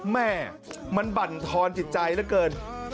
แม่มันบั่นทอนจิตใจเหลือเกิน